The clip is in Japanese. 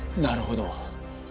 なるほど。